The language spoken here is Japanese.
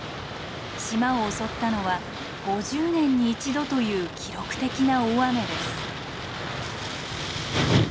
島を襲ったのは５０年に一度という記録的な大雨です。